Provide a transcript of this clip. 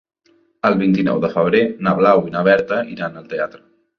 El vint-i-nou de febrer na Blau i na Berta iran al teatre.